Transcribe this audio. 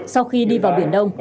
sau khi đi vào biển đông